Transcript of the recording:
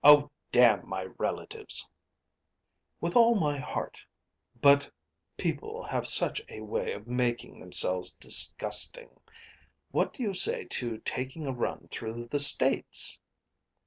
"Oh, d my relatives." "With all my heart. But people have such a way of making themselves disgusting. What do you say to taking a run through the States?"